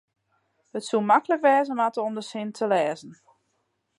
it soe maklik wêze moatte om de sin te lêzen